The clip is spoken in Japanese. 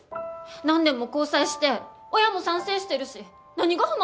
何年も交際して親も賛成してるし何が不満なわけ？